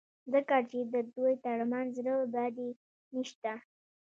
ځکه چې د دوی ترمنځ زړه بدي نشته.